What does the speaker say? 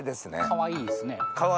かわいいですね。